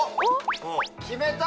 決めた！